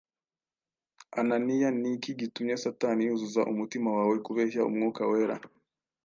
Ananiya, ni iki gitumye Satani yuzuza umutima wawe kubeshya Umwuka Wera,